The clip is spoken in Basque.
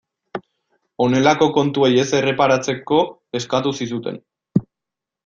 Honelako kontuei ez erreparatzeko eskatu zizuten.